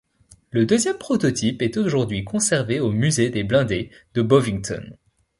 Le deuxième prototype est aujourd'hui conservé au Musée des blindés de Bovington.